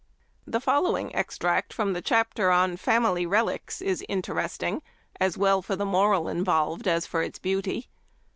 The following extracts from the chapter on " Family Reliques " is interesting as well for the moral involved as for its beauty.